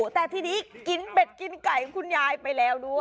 แต่ทีนี้กินเป็ดกินไก่คุณยายไปแล้วด้วย